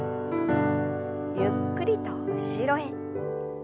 ゆっくりと後ろへ。